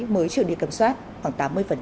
mới trưởng địa cầm soát khoảng tám mươi